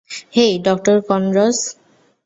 Hey, doctor Connors.